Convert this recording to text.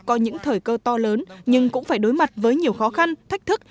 có những thời cơ to lớn nhưng cũng phải đối mặt với nhiều khó khăn thách thức